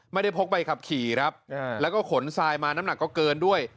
พกใบขับขี่ครับแล้วก็ขนทรายมาน้ำหนักก็เกินด้วย